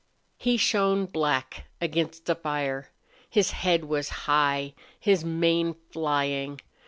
He shone black against the fire. His head was high, his mane flying.